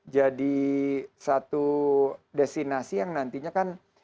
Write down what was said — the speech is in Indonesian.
jadi satu destinasi yang nantinya kan